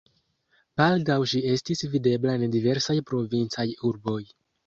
Baldaŭ ŝi estis videbla en diversaj provincaj urboj.